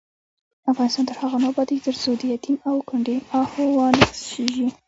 افغانستان تر هغو نه ابادیږي، ترڅو د یتیم او کونډې آه وانه خیژي.